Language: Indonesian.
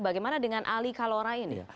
bagaimana dengan ali kalora ini pak